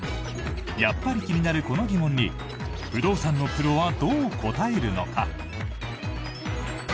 やっぱり気になるこの疑問に不動産のプロはどう答えるのか。